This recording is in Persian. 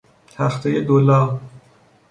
تختهی دولا